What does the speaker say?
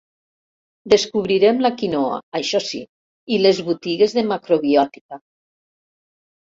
Descobrirem la quinoa, això sí, i les botigues de macrobiòtica.